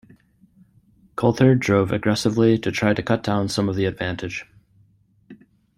Coulthard drove aggressively to try to cut down some of the advantage.